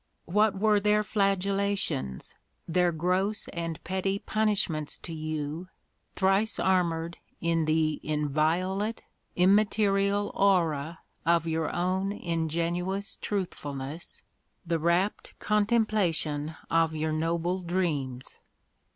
What were their flagellations, their gross and petty pun ishments to you, thrice armored in the inviolate, imma terial aura of your own ingenuous truthfulness, the rapt contemplation of your noble dreams!